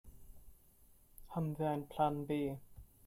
Haben wir einen Plan B?